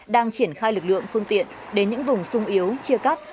đang triển khai lực lượng phương tiện đến những vùng sung yếu chia cắt